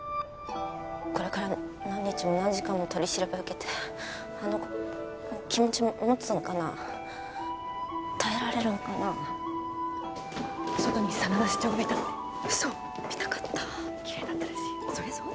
これから何日も何時間も取り調べを受けてあの子気持ち持つんかな耐えられるんかな外に真田社長がいたって嘘っ見たかった・キレイだったらしい・